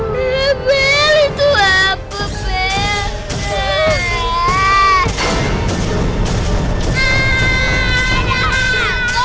beli beli tuh apa beli beli